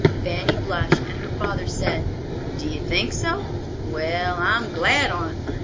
Fanny blushed and her father said, "Do you think so? Well, I'm glad on't.